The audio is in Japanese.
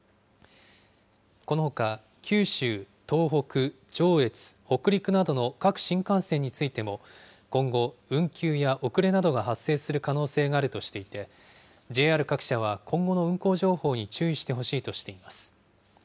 このほか九州、東北、上越、北陸などの各新幹線についても、今後、運休や遅れなどが発生する可能性があるとしていて、ＪＲ各社は今後の運行情報に注意してほしいとしています。